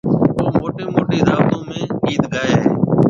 او موٽِي موٽِي دعوتون ۾ گِيت گائي هيَ۔